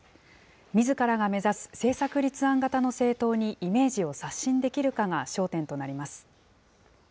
みずからが目指す政策立案型の政党にイメージを刷新できるかが焦点となります。